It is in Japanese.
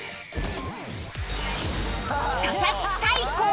佐々木大光